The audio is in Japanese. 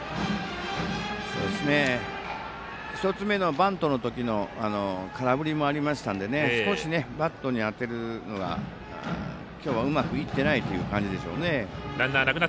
１つ目のバントの時の空振りもありましたので少しバットに当てるのが今日はうまくいっていないという感じでしょうね。